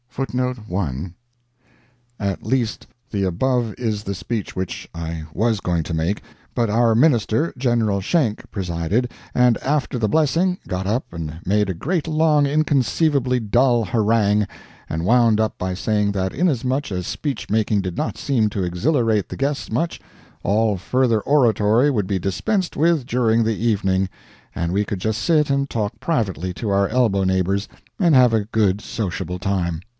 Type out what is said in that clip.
1 1 At least the above is the speech which I was going to make, but our minister, General Schenck, presided, and after the blessing, got up and made a great long inconceivably dull harangue, and wound up by saying that inasmuch as speech making did not seem to exhilarate the guests much, all further oratory would be dispensed with during the evening, and we could just sit and talk privately to our elbow neighbors and have a good sociable time.